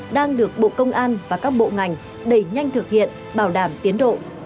đang được bộ công an và các bộ ngành đẩy nhanh thực hiện bảo đảm tiến độ